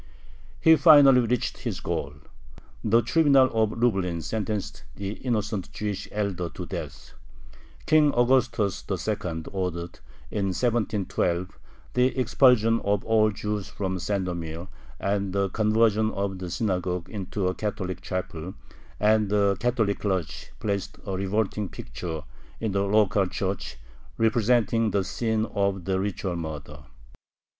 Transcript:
He finally reached his goal. The Tribunal of Lublin sentenced the innocent Jewish elder to death; King Augustus II. ordered, in 1712, the expulsion of all Jews from Sandomir and the conversion of the synagogue into a Catholic chapel, and the Catholic clergy placed a revolting picture in the local church representing the scene of the ritual murder.